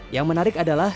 yang menarik adalah